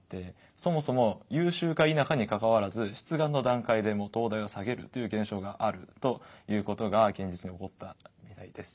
そもそも優秀か否かにかかわらず出願の段階で東大を下げるという現象があるということが現実に起こったみたいです。